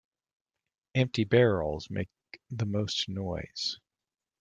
Empty barrels make the most noise.